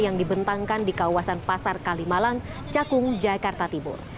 yang dibentangkan di kawasan pasar kalimalang cakung jakarta timur